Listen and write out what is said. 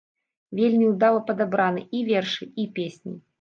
Вельмі ўдала падабраны і вершы, і песні.